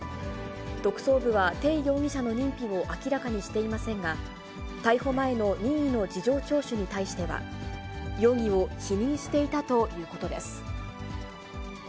特捜部は、鄭容疑者の認否を明らかにしていませんが、逮捕前の任意の事情聴取に対しては、容疑を否認していたということです。